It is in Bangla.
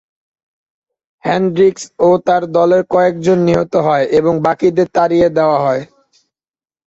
হ্যানড্রিক্স ও তার দলের কয়েকজন নিহত হয় এবং বাকিদের তাড়িয়ে দেওয়া হয়।